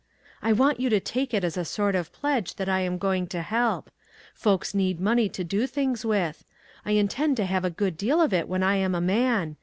" I want you to take it as a sort of pledge that I am going to help. Folks need money to do things with. I intend to have a good deal of it when I am a man.